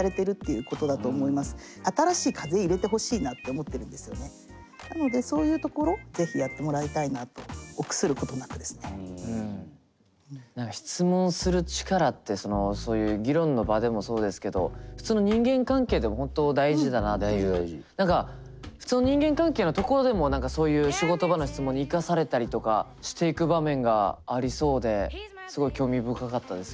やっぱりなのでそういうところ是非やってもらいたいなと何か質問する力ってそういう議論の場でもそうですけど普通の何か普通の人間関係のところでも何かそういう仕事場の質問に生かされたりとかしていく場面がありそうですごい興味深かったです